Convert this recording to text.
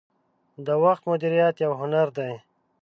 • د وخت مدیریت یو هنر دی.